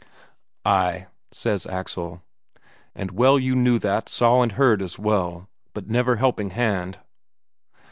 "Ay," says Axel. "And well you knew that saw and heard as well. But never helping hand...."